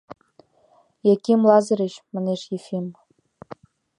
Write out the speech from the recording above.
— Яким Лазырыч, — манеш Ефим.